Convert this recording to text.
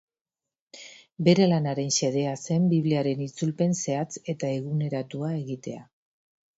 Bere lanaren xedea zen Bibliaren itzulpen zehatz eta eguneratua egitea.